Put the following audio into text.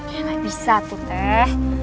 ya gak bisa tuh teh